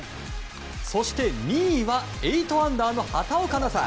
そして２位は８アンダーの畑岡奈紗。